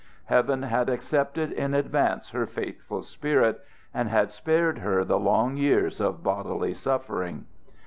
Heaven had accepted in advance her faithful spirit, and had spared her the long years of bodily suffering.